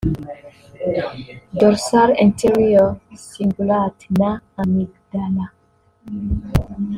dorsal anterior cingulate na amygdala’